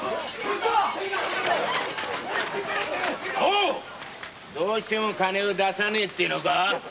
おいどうしても金を出さねぇというのか！